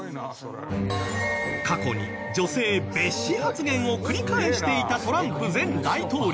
過去に女性蔑視発言を繰り返していたトランプ前大統領。